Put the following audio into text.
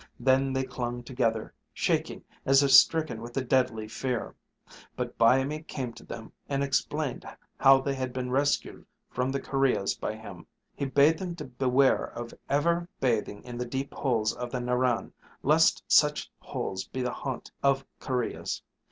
Then they clung together, shaking as if stricken with a deadly fear. But Byamee came to them and explained how they had been rescued from the kurreahs by him. He bade them to beware of ever bathing in the deep holes of the Narran, lest such holes be the haunt of kurreahs.